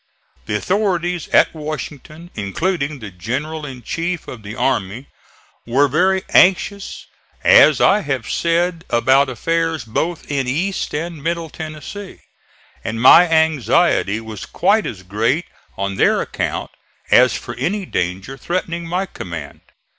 The authorities at Washington, including the general in chief of the army, were very anxious, as I have said, about affairs both in East and Middle Tennessee; and my anxiety was quite as great on their account as for any danger threatening my command.